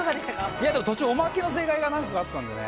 いや途中オマケの正解が何個かあったんでね。